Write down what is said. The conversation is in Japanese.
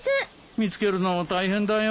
見つけるの大変だよ。